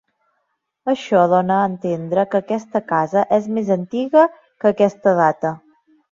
Això dóna a entendre que aquesta casa és més antiga que aquesta data.